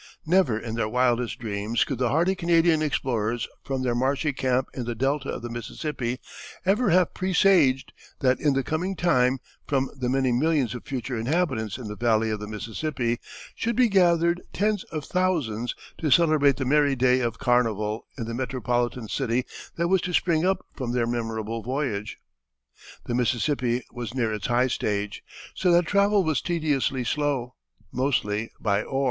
Never in their wildest dreams could the hardy Canadian explorers from their marshy camp in the delta of the Mississippi ever have presaged, that in the coming time, from the many millions of future inhabitants in the Valley of the Mississippi should be gathered tens of thousands to celebrate the merry day of carnival in the metropolitan city that was to spring up from their memorable voyage. The Mississippi was near its high stage, so that travel was tediously slow, mostly by oar.